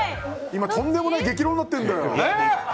今とんでもない激論になってるんだよ。